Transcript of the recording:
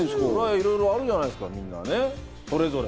いろいろあるんじゃないですか、みんなそれぞれ。